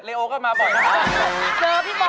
เรโอ้ก็มาบ่อยนะครับ